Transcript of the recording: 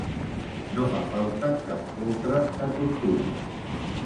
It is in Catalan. No fa falta cap poltre de tortura.